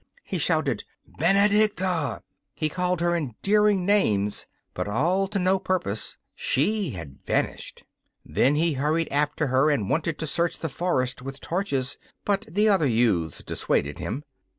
He shouted: 'Benedicta!' He called her endearing names; but all to no purpose she had vanished. Then he hurried after her and wanted to search the forest with torches, but the other youths dissuaded him.